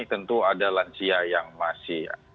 tentu ada lansia yang masih